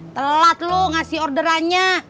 telat lu ngasih orderannya